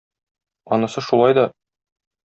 Анысы шулай да...